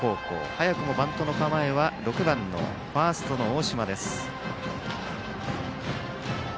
早くもバントの構えは６番ファースト、大島です。